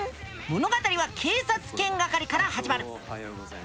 物語は警察犬係から始まる。